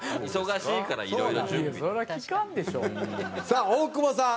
さあ大久保さん。